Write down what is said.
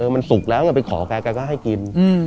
มันสุกแล้วไงไปขอแกก็ให้กิน